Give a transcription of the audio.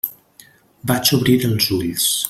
Vaig obrir els ulls.